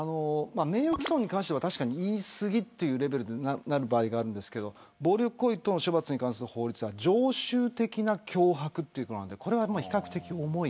名誉毀損に関しては言い過ぎというレベルでなる場合がありますが暴力行為等の処罰に関する法律は常習的な脅迫ということなんで比較的重い。